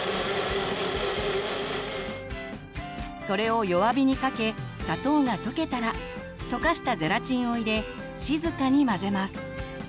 それを弱火にかけ砂糖が溶けたら溶かしたゼラチンを入れ静かに混ぜます。